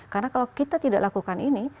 karena kalau kita tidak lakukan ini